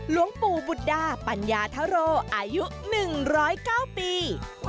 หลวงปู่บุตรดาปัญญาธโรอายุ๑๐๙ปี